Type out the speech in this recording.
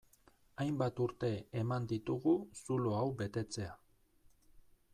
Hainbat urte eman ditugu zulo hau betetzea.